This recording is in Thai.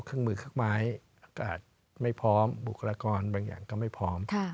เครื่องมือเครื่องไม้อากาศไม่พร้อมบุคลากรบางอย่างก็ไม่พร้อม